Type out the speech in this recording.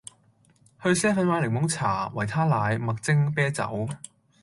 去 Seven 買檸檬茶，維他奶，麥精，啤酒